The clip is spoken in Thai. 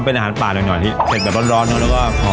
เพราะว่ามันเผ็ดมาก